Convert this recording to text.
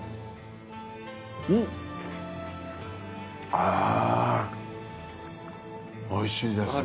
あおいしいです。